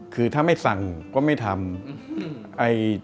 คือถ้าไม่สั่งก็ไม่ทำ